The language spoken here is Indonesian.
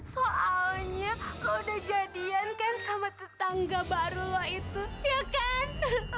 karena kamu sudah menjadikan tetangga baru kamu bukan